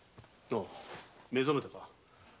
おう目覚めたか。